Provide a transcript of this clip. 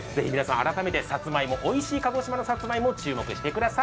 改めておいしい鹿児島のさつまいもに注目してください。